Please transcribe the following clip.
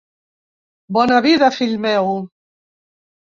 Bona vida, fill meu.